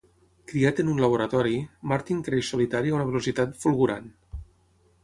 Criat en un laboratori, Martin creix solitari a una velocitat fulgurant.